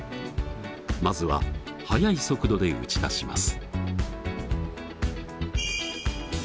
まずは速い速度で打ち出します。